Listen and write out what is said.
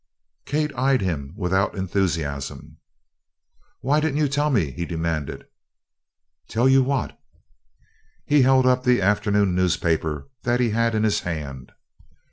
Kate eyed him without enthusiasm. "Why didn't you tell me?" he demanded. "Tell you what?" He held up the afternoon newspaper that he had in his hand.